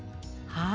はい。